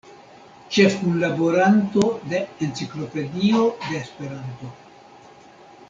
Ĉefkunlaboranto de "Enciklopedio de Esperanto".